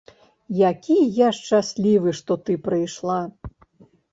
Які я шчаслівы, што ты прыйшла.